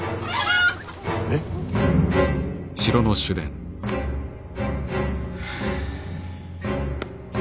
えっ。はあ。